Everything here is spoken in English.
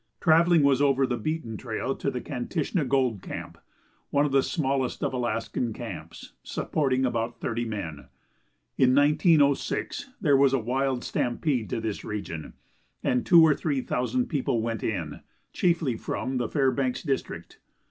Travelling was over the beaten trail to the Kantishna gold camp, one of the smallest of Alaskan camps, supporting about thirty men. In 1906 there was a wild stampede to this region, and two or three thousand people went in, chiefly from the Fairbanks district.